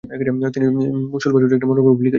তিনি সূলবা সুত্রে একটি মনোগ্রাফও লিখেছিলেন।